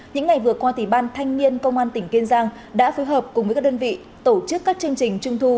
những ngày vừa qua ban thanh niên công an tỉnh kiên giang đã phối hợp cùng với các đơn vị tổ chức các chương trình trung thu